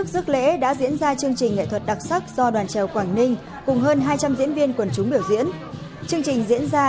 các bạn hãy đăng ký kênh để ủng hộ kênh của chúng mình nhé